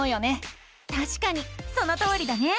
たしかにそのとおりだね！